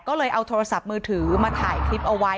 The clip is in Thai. ก็เลยเอาโทรศัพท์มือถือมาถ่ายคลิปเอาไว้